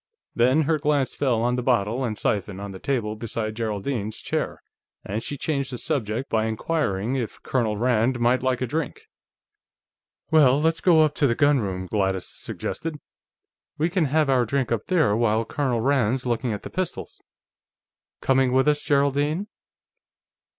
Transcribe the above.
Then her glance fell on the bottle and siphon on the table beside Geraldine's chair, and she changed the subject by inquiring if Colonel Rand mightn't like a drink. "Well, let's go up to the gunroom," Gladys suggested. "We can have our drink up there, while Colonel Rand's looking at the pistols.... Coming with us, Geraldine?"